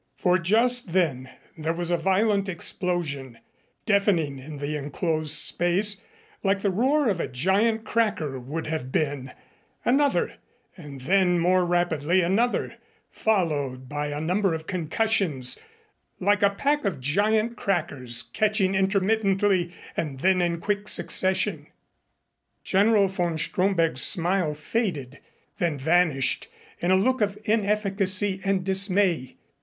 For just then there was a violent explosion, deafening in the enclosed space, like the roar of a giant cracker would have been another and then more rapidly another, followed by a number of concussions, like a pack of giant crackers catching intermittently and then in quick succession. General von Stromberg's smile faded then vanished in a look of inefficacy and dismay.